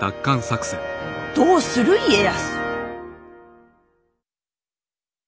どうする家康。